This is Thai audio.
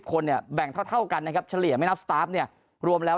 คนเนี่ยแบ่งเท่ากันนะครับเฉลี่ยไม่นับสตาร์ฟเนี่ยรวมแล้ว